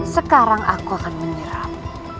sekarang aku akan menyerap